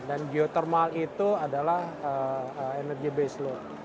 dan geothermal itu adalah energi base load